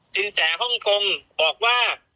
จินแสห้องคงบอกว่า